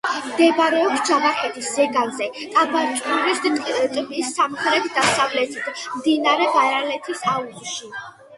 მდებარეობს ჯავახეთის ზეგანზე, ტაბაწყურის ტბის სამხრეთ–დასავლეთით, მდინარე ბარალეთის აუზში.